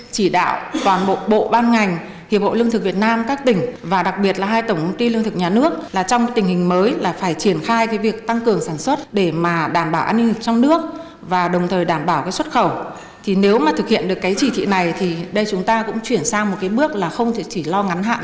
chúng ta cũng chuyển sang một bước là không chỉ lo ngắn hạn